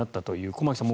駒木さん